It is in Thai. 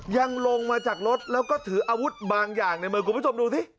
ลงมาจากรถแล้วก็ถืออาวุธบางอย่างในมือคุณผู้ชมดูสิ